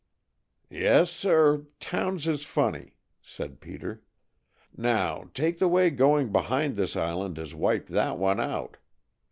"Yes, sir, towns is funny!" said Peter. "Now, take the way going behind this island has wiped that one out.